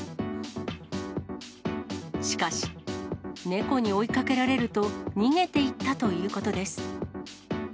しかし、猫に追いかけられると逃げていったということです。